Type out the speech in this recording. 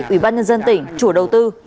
ủy ban nhân dân tỉnh chủ đầu tư